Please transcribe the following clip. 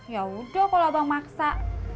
ya udah kalau abang maksa